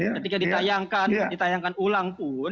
ketika ditayangkan ulang pun